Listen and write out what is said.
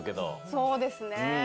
そうですね。